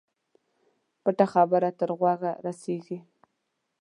پټه خبره تر غوږه رسېږي.